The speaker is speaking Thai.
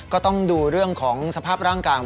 ก็ต้องดูเรื่องของสภาพร่างกาย